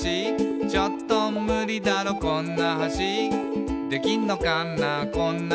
「ちょっとムリだろこんな橋」「できんのかなこんな橋」